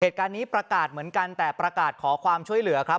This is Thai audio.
เหตุการณ์นี้ประกาศเหมือนกันแต่ประกาศขอความช่วยเหลือครับ